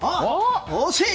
惜しい！